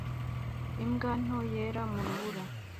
Imbwa nto yera mu rubura